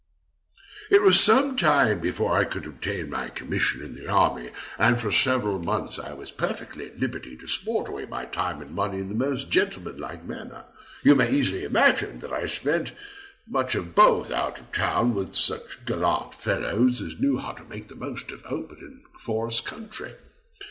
_ It was some time before I could obtain a commission in the army, and for several months I was perfectly at liberty to sport away my time and money in the most gentleman like manner. You may easily imagine that I spent much of both out of town with such gallant fellows as knew how to make the most of an open forest country.